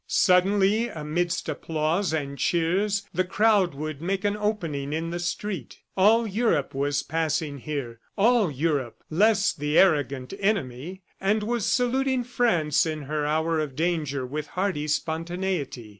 Suddenly, amidst applause and cheers, the crowd would make an opening in the street. All Europe was passing here; all Europe less the arrogant enemy and was saluting France in her hour of danger with hearty spontaneity.